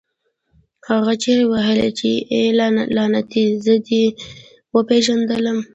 هغه چیغې وهلې چې اې لعنتي زه دې وپېژندلم